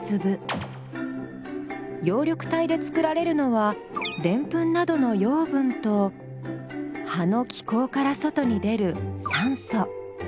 葉緑体で作られるのはデンプンなどの養分と葉の気孔から外に出る酸素。